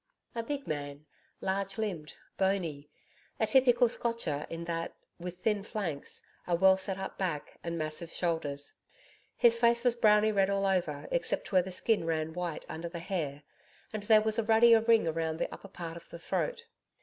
A big man large limbed, bony a typical Scotcher in that with thin flanks, a well set up back and massive shoulders. His face was browny red all over except where the skin ran white under the hair and there was a ruddier ring round the upper part of the throat.